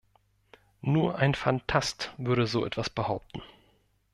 Nur ein Fantast würde so etwas behaupten.